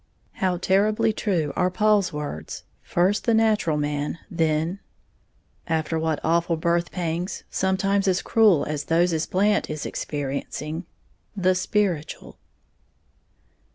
How terribly true are Paul's words, "First the natural man, then" after what awful birth pangs, sometimes as cruel as those Blant is experiencing! "the spiritual".